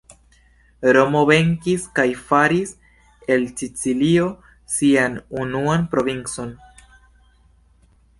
Romo venkis, kaj faris el Sicilio sian unuan provincon.